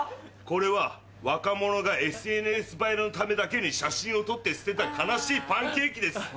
これは若者がＳＮＳ映えのためだけに写真を撮って捨てた悲しいパンケーキです。